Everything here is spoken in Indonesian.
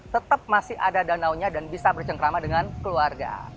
tetap masih ada danaunya dan bisa bercengkrama dengan keluarga